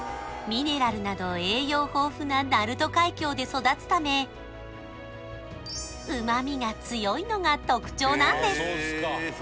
ミネラルなど栄養豊富な鳴門海峡で育つため旨みが強いのが特徴なんです